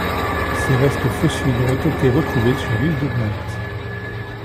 Ses restes fossiles ont été retrouvés sur l'île de Malte.